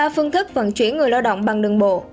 ba phương thức vận chuyển người lao động bằng đường bộ